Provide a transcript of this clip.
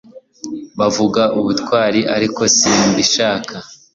bavuga ubutwari ariko simbishaka